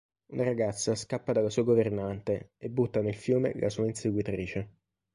Una ragazza scappa dalla sua governante e butta nel fiume la sua inseguitrice.